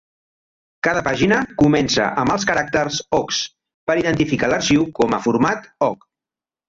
Cada pàgina comença amb els caràcters "OggS", per identificar l'arxiu com a format Ogg.